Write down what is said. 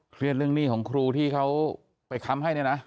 เรื่องหนี้ของครูที่เขาไปค้ำให้เนี่ยนะ